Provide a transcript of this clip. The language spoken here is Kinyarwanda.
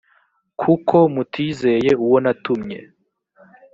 kuko mutizeye uwo natumye